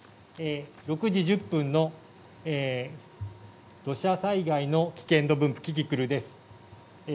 ６時１０分の土砂災害の危険度分布キキクルです。